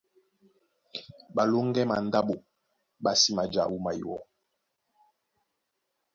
Ɓalóŋgɛ́ mandáɓo ɓá sí maja wúma iwɔ́,